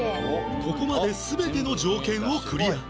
ここまで全ての条件をクリア